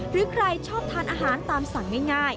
หรือใครชอบทานอาหารตามสั่งง่าย